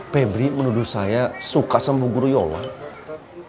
pebri menuduh saya suka sama guru yolwan